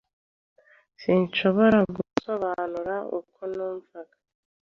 Sinshobora gusobanura uko numvaga.